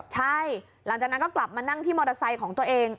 ใช่หลังจากนั้นก็กลับมานั่งที่มอเตอร์ไซค์ของตัวเอง